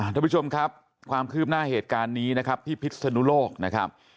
ท่านผู้ชมครับความคืบหน้าเหตุการณ์นี้นะครับที่พิษนุโลกนะครับ